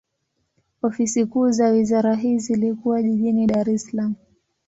Ofisi kuu za wizara hii zilikuwa jijini Dar es Salaam.